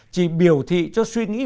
chỉ biểu thị cho suy nghĩ